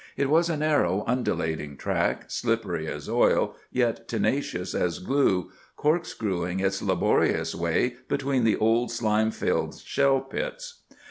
It was a narrow, undulating track, slippery as oil, yet tenacious as glue, corkscrewing its laborious way between the old slime filled shell pits.